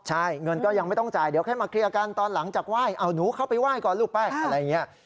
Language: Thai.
ใช่เงินก็ยังไม่ต้องจ่ายเดี๋ยวแค่มาเคลียร์กันตอนหลังจากไหว้เอาหนูเข้าไปไหว้ก่อนลูกไปอะไรอย่างนี้